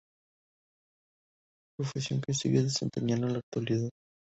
Profesión que sigue desempeñando en la actualidad.